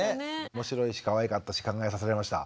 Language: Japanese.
面白いしかわいかったし考えさせられました。